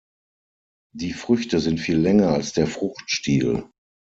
Die Früchte sind viel länger als der Fruchtstiel.